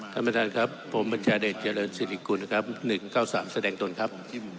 ท่านประธานครับผมบัญชาเดชเจริญศิริกุลนะครับ๑๙๓แสดงตนครับ